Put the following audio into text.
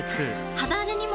肌荒れにも！